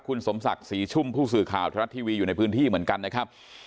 คุณสมศักดิ์ศรีชุ่มผู้สื่อข่าวทรัฐทีวีอยู่ในพื้นที่เหมือนกันนะครับ